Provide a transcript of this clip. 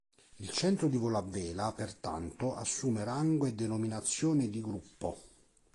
Il Centro di Volo a Vela, pertanto, assume rango e denominazione di “Gruppo”.